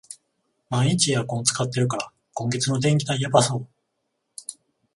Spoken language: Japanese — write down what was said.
毎日エアコン使ってるから、今月の電気代やばそう